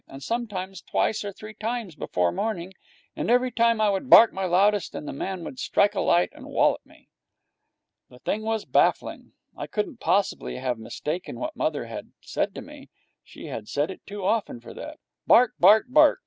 And sometimes twice or three times before morning. And every time I would bark my loudest and the man would strike a light and wallop me. The thing was baffling. I couldn't possibly have mistaken what mother had said to me. She said it too often for that. Bark! Bark! Bark!